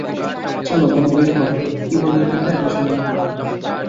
চলো বোন, বের করো, কি বলে এটাকে এডমিশনের ফর্ম।